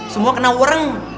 semua kena ureng